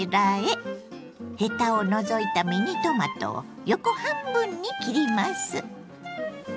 ヘタを除いたミニトマトを横半分に切ります。